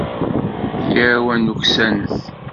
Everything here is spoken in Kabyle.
Yyaw ad nuksanet.